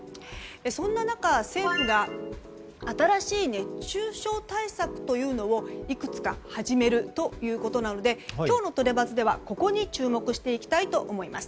そんな中、政府が新しい熱中症対策というのをいくつか始めるということなので今日のトレバズではここに注目します。